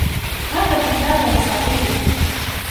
هذا كتاب صغير.